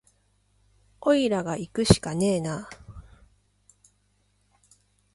おいらがいくしかねえな